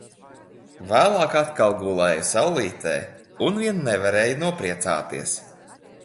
Vēlāk atkal gulēju saulītē un vien nevarēju nopriecāties.